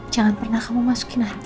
jangan pernah kamu masukin narko